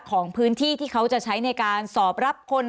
ของพื้นที่ที่เขาจะใช้ในการสอบรับคน